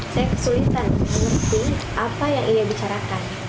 saya kesulitan mengerti apa yang ia bicarakan